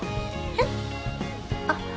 えっ？あっ。